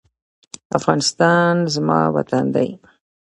افغانستان زما وطن دی.